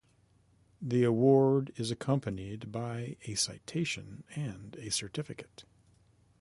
The award is accompanied by a citation and a certificate.